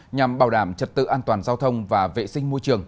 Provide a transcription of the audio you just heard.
nhằm bảo đảm trật tự an toàn giao thông và vệ sinh môi trường